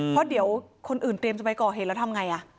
เพราะเดี๋ยวคนอื่นเตรียมจะไปก่อเหตุแล้วทำไง